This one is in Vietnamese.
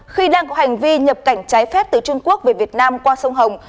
khi đang có hành vi nhập cảnh trái phép từ trung quốc về việt nam qua sông hồng